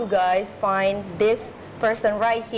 bagaimana anda menemukan orang ini